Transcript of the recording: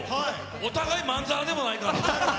お互いまんざらでもないから。